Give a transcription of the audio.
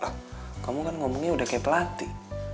ah kamu kan ngomongnya udah kayak pelatih